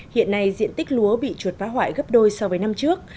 hiện nay diện tích lúa bị chuột phá hoại gấp đôi so với năm trước